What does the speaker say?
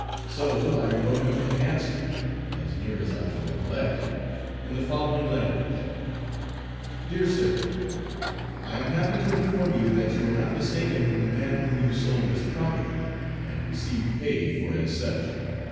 So I wrote him an answer, as near as I can recollect, in the following language: DEAR SIR: I am happy to inform you that you are not mistaken in the man whom you sold as property, and received pay for as such.